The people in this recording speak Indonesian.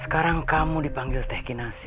sekarang kamu dipanggil teki nasi